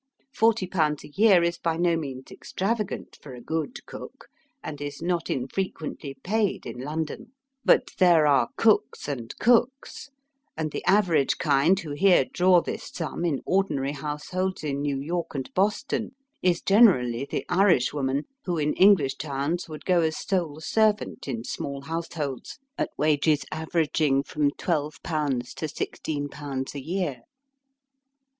Forty pounds a year is by no means extrava gant for a good cook, and is not infrequently paid in London. But there are cooks and Digitized by VjOOQIC 140 EAST BY WEST. cooks, and the average kind who here draw this sum in ordinary households in New York and Boston is generally the Irishwoman who in English towns would go as sole servant in small households at wages averaging from JB12 to i616 a year.